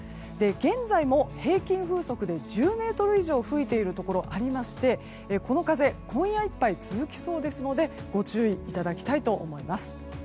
現在も平均風速で１０メートル以上吹いているところがありましてこの風今夜いっぱい続きそうですのでご注意いただきたいと思います。